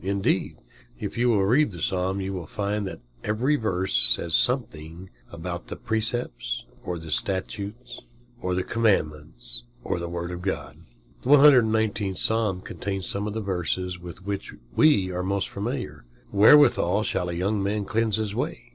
Indeed, if you will read the Psalm, you will find that every verse says something about the precepts, or the statutes, or the commandments, or the word of God. The 119th Psalm contains some of the verses with which we are most familiar. "Wherewithal shall a young man cleanse his way?